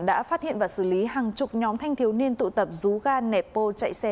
đã phát hiện và xử lý hàng chục nhóm thanh thiếu niên tụ tập rú ga nẹp bô chạy xe